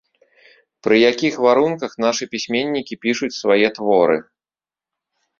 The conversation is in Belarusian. Пры якіх варунках нашы пісьменнікі пішуць свае творы?